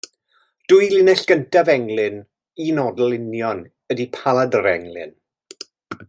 Dwy linell gyntaf englyn unodl union ydy paladr englyn.